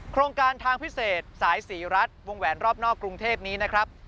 โครงการทางพิเศษสายศรีรัฐวงแหวนรอบนอกกรุงเทพนี้นะครับ